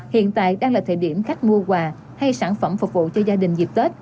hiện tại đang là thời điểm khách mua quà hay sản phẩm phục vụ cho gia đình dịp tết